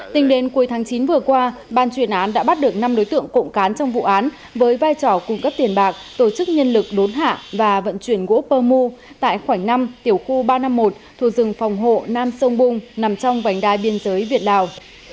tính đến cuối tháng chín vừa qua ban chuyển án đã bắt được năm đối tượng cộng cán trong vụ án với vai trò cung cấp tiền bạc tổ chức nhân lực đốn hạ và vận chuyển gỗ pơ mu tại khoảnh năm tiểu khu ba trăm năm mươi một thuộc rừng phòng hộ nam sông bung nằm trong vành đai biên giới việt lào